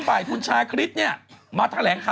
อ่าวนุ่มชั่วใช่ไหมคะถัดทิ้งค่ะ